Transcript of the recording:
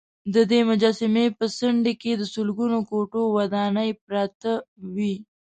ددې مجسمې په څنډې کې د لسګونو کوټو ودانې پراته وې.